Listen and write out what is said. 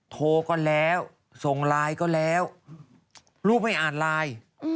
โทรก็แล้วส่งไลน์ก็แล้วลูกไม่อ่านไลน์